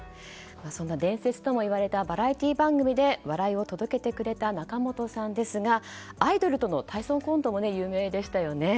そんな伝説ともいわれたバラエティー番組で笑いを届けてくれた仲本さんですがアイドルとの体操コントも有名でしたよね。